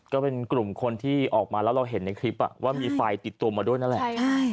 ก็เป็นกลุ่มคนที่ออกมาแล้วเราเห็นในคลิปว่ามีไฟติดตัวมาด้วยนั่นแหละ